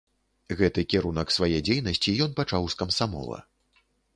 Гэты кірунак свае дзейнасці ён пачаў з камсамола.